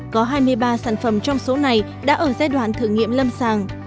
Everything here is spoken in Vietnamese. có hai mươi ba sản phẩm trong số này đã ở giai đoạn thử nghiệm lâm sàng